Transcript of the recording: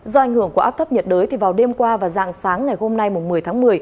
do ảnh hưởng của áp thấp nhiệt đới thì vào đêm qua và dạng sáng ngày hôm nay một mươi tháng một mươi